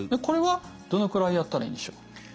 これはどのくらいやったらいいんでしょう？